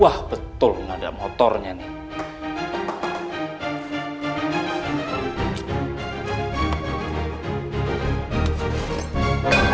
wah betul nggak ada motornya nih